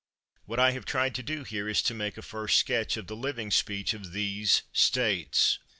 What I have tried to do here is to make a first sketch of the living speech of These States.